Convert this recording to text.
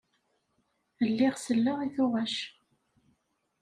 Lliɣ selleɣ i tuɣac.